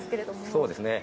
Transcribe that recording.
そうですね。